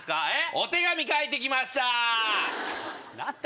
お手紙書いて来ました！